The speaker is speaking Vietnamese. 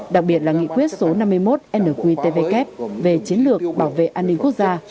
đặc biệt là nghị quyết số năm mươi một nqtvk về chiến lược bảo vệ an ninh quốc gia